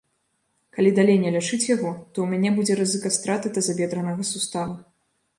Калі далей не лячыць яго, то ў мяне будзе рызыка страты тазабедранага сустава.